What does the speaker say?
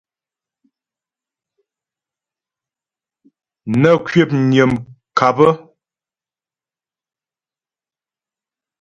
Nə́ kwəpnyə́ ŋkâp.